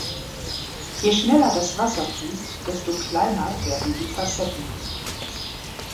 Je schneller das Wasser fließt, desto kleiner werden die Facetten.